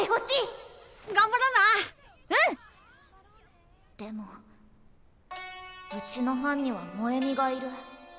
心の声でもうちの班には萌美がいる。